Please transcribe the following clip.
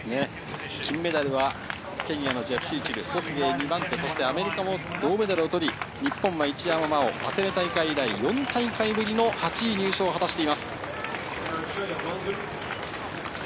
金メダルはケニアのジェプチルチル、コスゲイ、２番手アメリカも銅メダルを取り、日本は一山麻緒、アテネ大会以来４大会ぶりの８位入賞を果たしています。